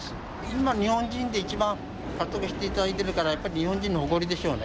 今日本人で一番活躍して頂いてるからやっぱり日本人の誇りでしょうね